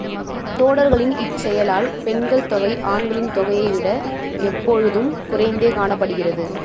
தோடர்களின் இச்செயலால் பெண்கள் தொகை ஆண்களின் தொகையைவிட எப் பொழுதும் குறைந்தே காணப்படுகிறது.